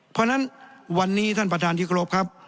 เพราะฉะนั้นวันนี้ท่านประธานที่กรบครับ